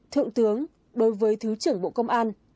thượng tướng đối với thứ trưởng bộ công an